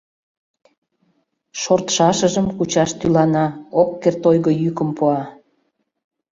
Шортшашыжым кучаш тӱлана, ок керт ойго йӱкым пуа.